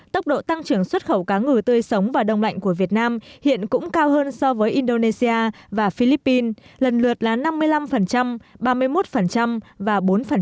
tốc độ tăng trưởng xuất khẩu cá ngừ tươi sống và đông lạnh của việt nam hiện cũng cao hơn so với indonesia và philippines lần lượt là năm mươi năm ba mươi một và bốn